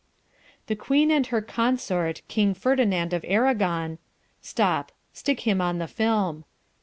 "The Queen and her consort, King Ferdinand of Aragon..." Stop, stick him on the film.